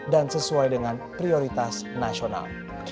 dan sesuai dengan prioritas nasional